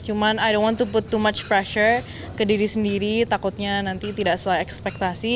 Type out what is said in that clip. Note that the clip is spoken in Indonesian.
cuman i don't want to put too much pressure ke diri sendiri takutnya nanti tidak selai ekspektasi